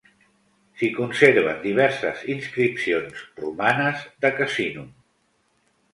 S'hi conserven diverses inscripcions romanes de Casinum.